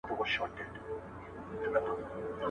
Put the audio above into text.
• زوړ خر، نوې توبره.